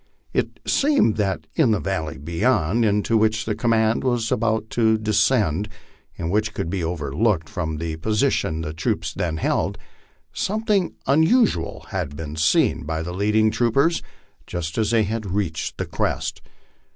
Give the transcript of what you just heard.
It seemed that in the valley beyond, into which the command was about to de scend, and which could be overlooked from the position the troops then held, something unusual had been seen by the leading troopers just as they had reached the crest.